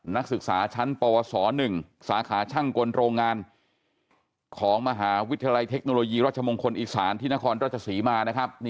นักศึกษาชั้นปวส๑สาขาช่างกลโรงงานของมหาวิทยาลัยเทคโนโลยีรัชมงคลอีสานที่นครราชศรีมานะครับ